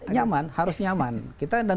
nyaman harus nyaman kita dan